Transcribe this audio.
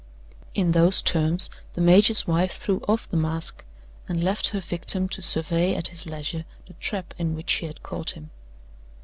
In those terms the major's wife threw off the mask, and left her victim to survey at his leisure the trap in which she had caught him.